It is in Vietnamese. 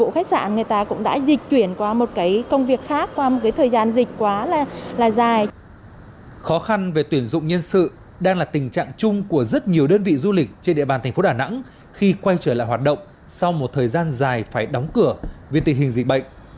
khó khăn về tuyển dụng nhân sự đang là tình trạng chung của rất nhiều đơn vị du lịch trên địa bàn thành phố đà nẵng khi quay trở lại hoạt động sau một thời gian dài phải đóng cửa vì tình hình dịch bệnh